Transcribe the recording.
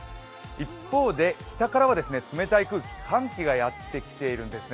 一方で、北からは冷たい空気、寒気がやってきているんですね。